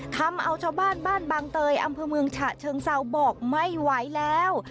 ทำเอาชาวบ้านบ้านบางเตยอำเภอเมืองฉะเชิงเซาบอกไม่ไหวแล้ว